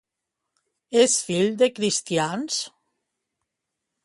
És fill de cristians?